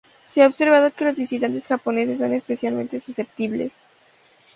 Se ha observado que los visitantes japoneses son especialmente susceptibles.